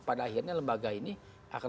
pada akhirnya lembaga ini akan